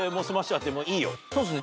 そうっすね